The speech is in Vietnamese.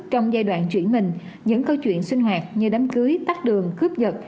trong giai đoạn chuyển mình những câu chuyện sinh hoạt như đám cưới tắt đường cướp giật